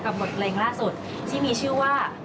บทเพลงล่าสุดที่มีชื่อว่า